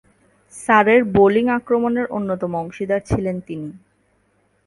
সারের বোলিং আক্রমণের অন্যতম অংশীদার ছিলেন তিনি।